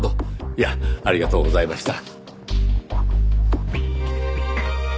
いやありがとうございました。